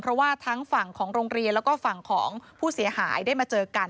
เพราะว่าทั้งฝั่งของโรงเรียนแล้วก็ฝั่งของผู้เสียหายได้มาเจอกัน